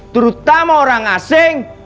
terutama orang asing